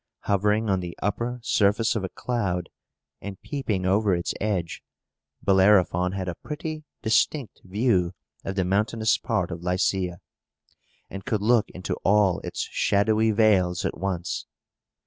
Hovering on the upper surface of a cloud, and peeping over its edge, Bellerophon had a pretty distinct view of the mountainous part of Lycia, and could look into all its shadowy vales at once.